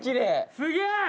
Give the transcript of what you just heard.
すげえ！